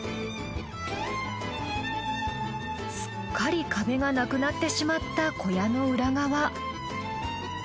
すっかり壁がなくなってしまった小屋の裏側。